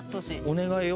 お願いよ